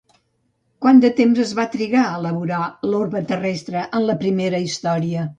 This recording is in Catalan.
Quant de temps es va trigar a elaborar l'orbe terrestre en la primera història?